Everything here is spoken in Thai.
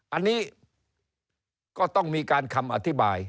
อันนี้ก็ต้องมีการคำอธิบาย